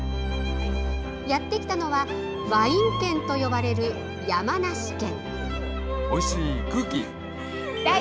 やって来たのはワイン県と呼ばれる、山梨県。